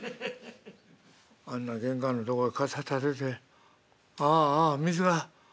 あんな玄関のとこへ傘立ててああああ水が。